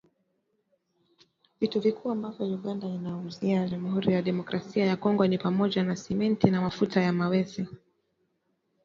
Vitu vikuu ambavyo Uganda inaiuzia Jamuhuri ya Demokrasia ya Kongo ni pamoja na Simenti na mafuta ya mawese